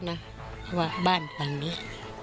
เพราะว่าบ้านหลังนี้